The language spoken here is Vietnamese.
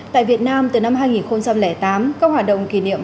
tại việt nam từ năm hai nghìn tám các hoạt động kỷ niệm